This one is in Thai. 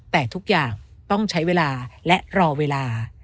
แต่ทุกอย่างต้องใช้เวลาและรอเวลา